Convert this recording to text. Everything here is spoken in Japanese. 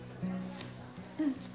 うん